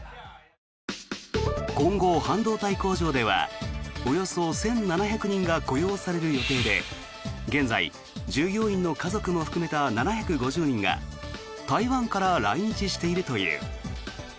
今後、半導体工場ではおよそ１７００人が雇用される予定で現在、従業員の家族も含めた７５０人が台湾から来日しているという。